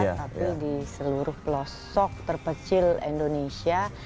tapi di seluruh pelosok terpecil indonesia